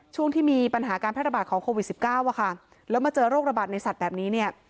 ช่วงที่มีปัญหาการแพร่ระบาดของโควิด๑๙อะค่ะแล้วมาเจอโรคระบาดในสัตว์แบบนี้เนี่ย